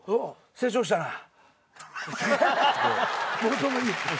「成長したなぁ」